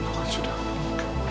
ibu kan sudah meninggal